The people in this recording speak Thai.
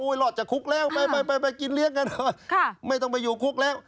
รอดจากคุกแล้วไปกินเลี้ยงกันหน่อยไม่ต้องไปอยู่คุกแล้ว